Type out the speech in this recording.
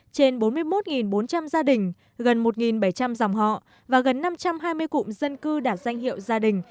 trên bốn mươi một bốn trăm linh gia đình gần một bảy trăm linh dòng họ và gần năm trăm hai mươi cụm dân cư đạt danh hiệu gia đình